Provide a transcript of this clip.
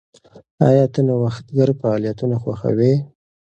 ایا ته نوښتګر فعالیتونه خوښوې؟